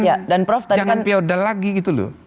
jangan pioda lagi gitu loh